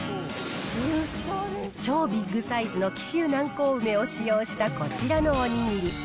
超ビッグサイズの紀州南高梅を使用したこちらのおにぎり。